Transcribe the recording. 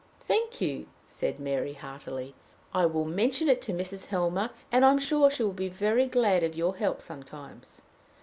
"Thank you," said Mary, heartily. "I will mention it to Mrs. Helmer, and I am sure she will be very glad of your help sometimes."